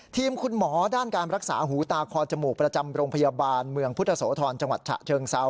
ทีมคุณหมอด้านการรักษาหูตาคอจมูกประจำโรงพยาบาลเมืองพุทธโสธรจังหวัดฉะเชิงเซา